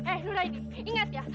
eh nuraini ingat ya